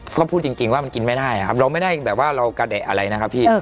ก็พูดจริงว่ามันกินไม่ได้ครับเราไม่ได้แบบว่าเรากระแดะอะไรนะครับพี่